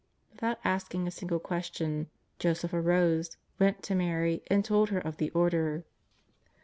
Without asking a single question, Joseph arose, went to Mary and told her of the order.